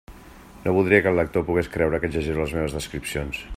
No voldria que el lector pogués creure que exagero les meves descripcions.